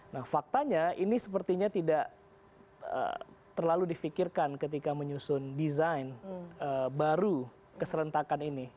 nah faktanya ini sepertinya tidak terlalu difikirkan ketika menyusun desain baru keserentakan ini